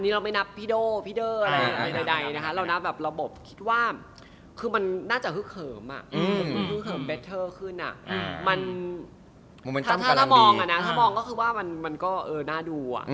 แล้วคือว่ามันก็น่าดู